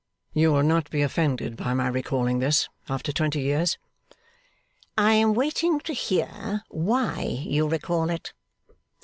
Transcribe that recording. You will not be offended by my recalling this, after twenty years?' 'I am waiting to hear why you recall it.